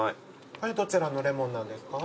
これどちらのレモンなんですか？